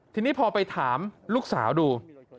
ทีนี้พอไปถามลูกสาวดู